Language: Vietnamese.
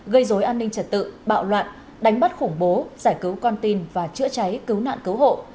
gây dối an ninh trật tự bạo loạn đánh bắt khủng bố giải cứu con tin và chữa cháy cứu nạn cứu hộ